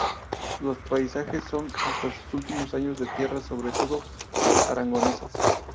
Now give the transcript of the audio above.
Los paisajes son hasta sus últimos años de tierras, sobre todo, aragonesas.